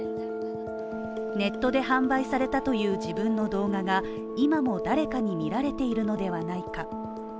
ネットで販売されたという自分の動画が今も誰かに見られているのではないか。